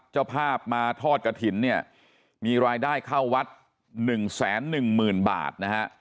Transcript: เจ้าภาพมาทอดกระถิ่นมีรายได้เข้าวัด๑แสน๑หมื่นบาท